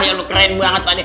ya lo keren banget pak de